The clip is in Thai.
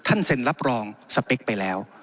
เซ็นรับรองสเปคไปแล้ว